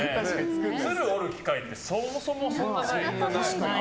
鶴折る機会ってそもそもそんなない。